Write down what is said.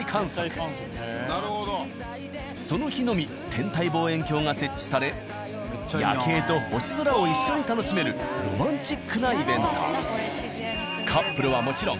その日のみ天体望遠鏡が設置され夜景と星空を一緒に楽しめるロマンチックなイベント。